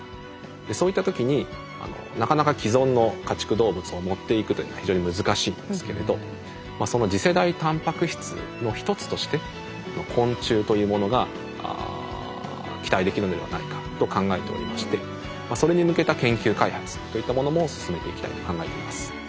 そういった時になかなか既存の家畜動物を持っていくというのは非常に難しいんですけれどその次世代たんぱく質の一つとして昆虫というものが期待できるのではないかと考えておりましてそれに向けた研究開発といったものも進めていきたいと考えています。